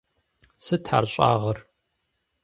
Сыт ар щӏэгъыр?